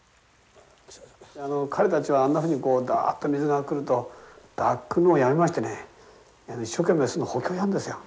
あの彼たちはあんなふうにダッと水が来ると抱くのをやめましてね一生懸命巣の補強をやるんですよ。